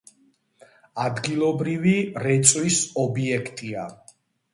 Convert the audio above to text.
ადგილობრივი რეწვის ობიექტია.